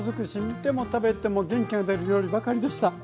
見ても食べても元気が出る料理ばかりでした。